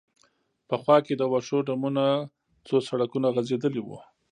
په خوا کې د وښو ډمونه، څو سړکونه غځېدلي و.